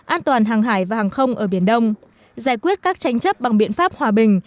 an toàn hàng hải và hàng không ở biển đông giải quyết các tranh chấp bằng biện pháp hòa bình